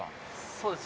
そうです